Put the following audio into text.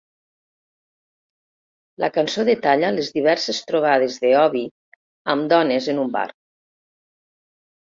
La cançó detalla les diverses trobades de Obie amb dones en un bar.